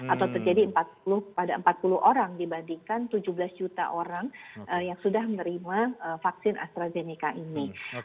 atau terjadi pada empat puluh orang dibandingkan tujuh belas juta orang yang sudah menerima vaksin astrazeneca ini